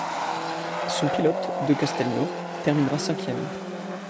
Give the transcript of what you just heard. Son pilote, De Castelnau, terminera cinquième.